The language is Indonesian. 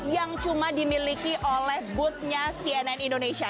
yang cuma dimiliki oleh booth nya cnn indonesia